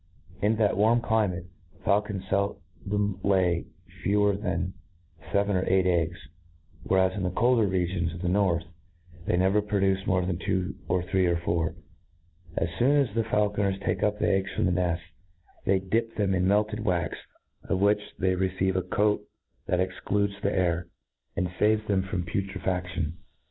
In that warm climate, faulcons feldom lay fewer than fcven or eight eggs j whereas, in the colder re* w gions , I N T R Q D U C T I O N, 95 giQns of the north, they never produce ipore than two, or three, or four. As foon as faulconcrs take the eggs from the nefts, they dip them in, inelted wax, of which they receive a coat that ex cludes the air, and faves them from putrefadion.